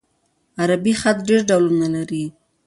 عربي خط ډېر ډولونه لري.